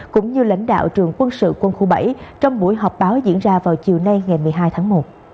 cũng như lãnh đạo trường quân sự quân khu bảy trong buổi họp báo diễn ra vào chiều nay ngày một mươi hai tháng một